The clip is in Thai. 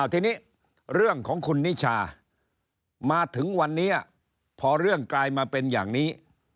ทีนี้เรื่องของคุณนิชามาถึงวันนี้พอเรื่องกลายมาเป็นอย่างนี้